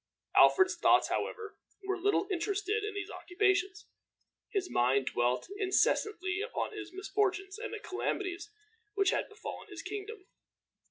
Alfred's thoughts, however, were little interested in these occupations. His mind dwelt incessantly upon his misfortunes and the calamities which had befallen his kingdom.